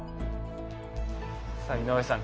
さあ井上さん